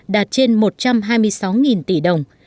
đạt trên một trăm hai mươi sáu tỷ đồng